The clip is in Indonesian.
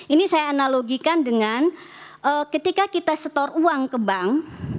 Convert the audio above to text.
ini saya analogikan dengan ketika kita setor uang ke bank